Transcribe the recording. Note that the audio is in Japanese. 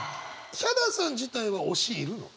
ヒャダさん自体は推しいるの？